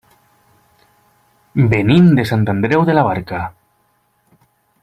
Venim de Sant Andreu de la Barca.